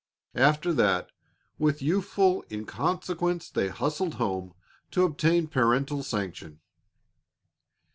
After that, with youthful inconsequence, they hustled home to obtain parental sanction.